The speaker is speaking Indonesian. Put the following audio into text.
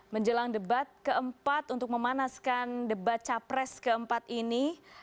menjelang debat keempat untuk memanaskan debat capres keempat ini